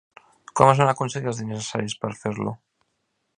Com es van aconseguir els diners necessaris per fer-lo?